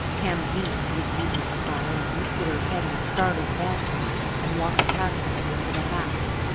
Tamzine, who was weeding at the far end, lifted her head in a startled fashion and walked past us into the house.